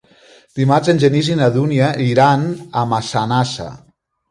Dimarts en Genís i na Dúnia iran a Massanassa.